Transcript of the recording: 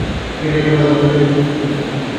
এখনও অ্যালেক্সের কাছ থেকে কোনও চিঠি পাইনি!